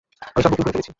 আমি সব বুকিং করে ফেলেছি।